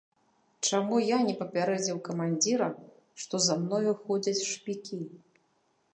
Чаму я не папярэдзіў камандзіра, што за мною ходзяць шпікі?